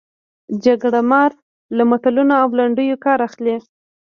جرګه مار له متلونو او لنډیو کار اخلي